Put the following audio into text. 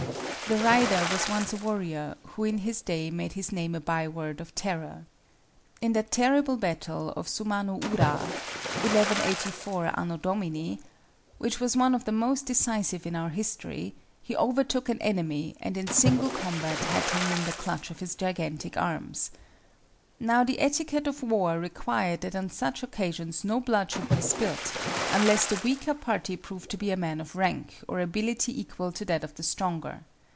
The rider was once a warrior who in his day made his name a by word of terror. In that terrible battle of Sumano ura, (1184 A.D.), which was one of the most decisive in our history, he overtook an enemy and in single combat had him in the clutch of his gigantic arms. Now the etiquette of war required that on such occasions no blood should be spilt, unless the weaker party proved to be a man of rank or ability equal to that of the stronger.